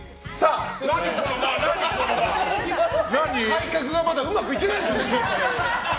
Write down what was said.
改革がまだうまくいってないですね。